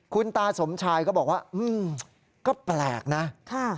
คุณตาสมชายก็บอกว่าก็แปลกนะค่ะ